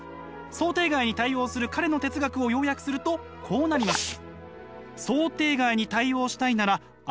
想定外に対応する彼の哲学を要約するとこうなります。